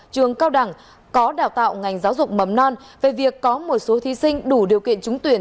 trường cao đẳng có đào tạo ngành giáo dục mầm non về việc có một số thí sinh đủ điều kiện trúng tuyển